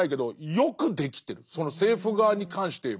その政府側に関して言えば。